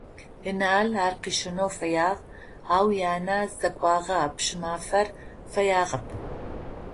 Енал ар къыщэнэу фэягъ, ау янэ зыдэкӏуагъэ Пщымафэр къыфэягъэп.